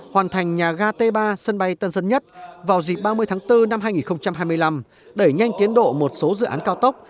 hoàn thành nhà ga t ba sân bay tân sơn nhất vào dịp ba mươi tháng bốn năm hai nghìn hai mươi năm đẩy nhanh tiến độ một số dự án cao tốc